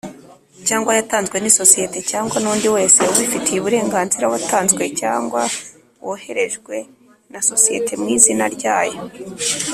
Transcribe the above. cyangwa yatanzwe n isosiyete cyangwa nundi wese ubifitiye uburenganzira watanzwe cyangwa woherejwe na sosiyete mu izina ryayo.